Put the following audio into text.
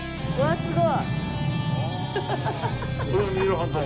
すごい。